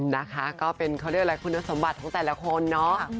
นะคะก็เป็นเขาเรียกอะไรคุณสมบัติของแต่ละคนเนาะ